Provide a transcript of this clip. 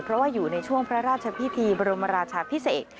เพราะว่าอยู่ในช่วงพระราชพิธีบรมราชาพิเศษ